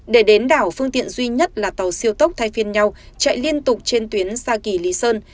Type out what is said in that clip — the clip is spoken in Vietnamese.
để đến đảo phương tiện duy nhất là tàu siêu tốc thay phiên nhau chạy liên tục trên tuyến xa kỳ lý sơn